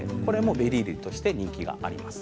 ベリー類として今人気があります。